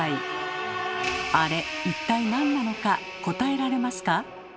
あれ一体何なのか答えられますか？